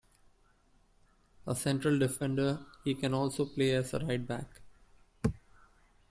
A central defender, he can also play as a right back.